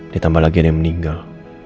ditambah lagian yang meninggal